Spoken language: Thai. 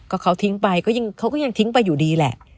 ก็เขาทิ้งไปเขาก็ยังทิ้งไปอยู่ดีแหละ